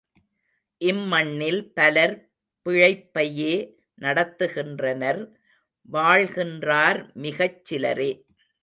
இம்மண்ணில் பலர் பிழைப்பையே நடத்துகின்றனர் வாழ்கின்றார் மிகச்சிலரே.